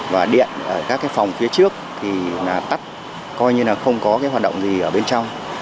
và điện ở các phòng phía trước thì tắt coi như là không có hoạt động gì ở bên trong